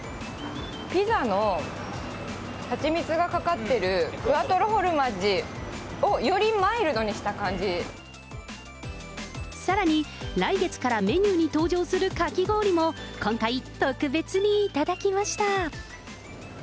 ピザの蜂蜜がかかってるクアトロフォルマッジを、よりマイルドにさらに、来月からメニューに登場するかき氷も、今回、特別に頂きました。